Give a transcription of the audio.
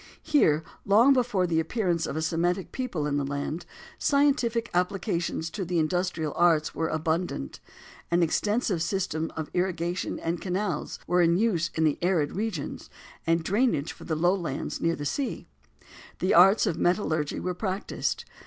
Here, long before the appearance of a Semitic people in the land, scientific applications to the industrial arts were abundant. An extensive system of irrigation and canals were in use in the arid regions and drainage for the low lands near the sea. The arts of metallurgy were practised.